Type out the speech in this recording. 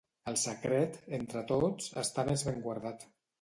El secret, entre tots, està més ben guardat.